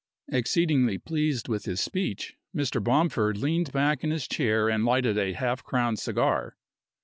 Exceedingly pleased with his speech, Mr. Bomford leaned back in his chair and lighted a half crown cigar.